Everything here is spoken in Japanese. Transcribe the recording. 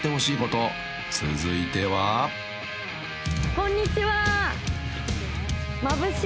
こんにちは。